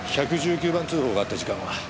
１１９番通報があった時間は？